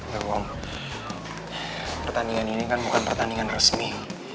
tunggu om pertandingan ini bukan pertandingan resmi